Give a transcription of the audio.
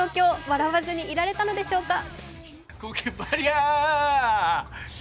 笑わずにいられたのでしょうか。